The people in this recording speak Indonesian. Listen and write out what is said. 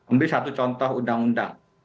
ambil satu contoh undang undang